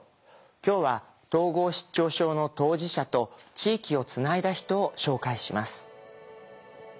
今日は統合失調症の当事者と地域をつないだ人を紹介します。